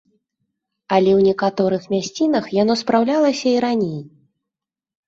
Але ў некаторых мясцінах яно спраўлялася і раней.